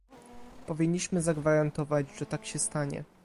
Powinniśmy zagwarantować, że tak się stanie